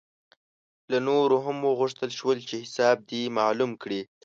له نورو هم وغوښتل شول چې حساب دې معلوم کړي.